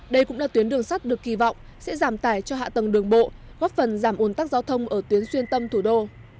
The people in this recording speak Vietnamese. đây cũng là tuyến đường sắt được kỳ vọng sẽ giảm tải cho hạ tầng đường bộ góp phần giảm ồn tắc giao thông ở tuyến xuyên tâm thủ đô